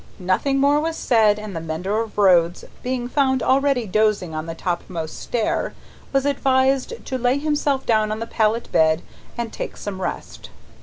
Nothing more was said, and the mender of roads, being found already dozing on the topmost stair, was advised to lay himself down on the pallet bed and take some rest.